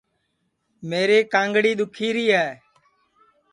میری کانگڑی دُؔکھیری ہے